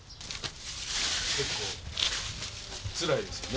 結構つらいですよね。